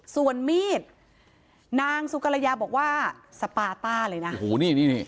ส่วนมีดนางสุกรยาบอกว่าสปาต้าเลยนะโอ้โหนี่นี่